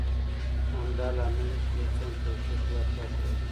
همدا لامل دی چې ډېر کسان د توقع خلاف پاتې راځي.